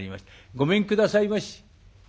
ごめんくださいまし」。